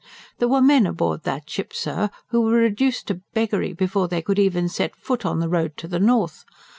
There were men aboard that ship, sir, who were reduced to beggary before they could even set foot on the road to the north.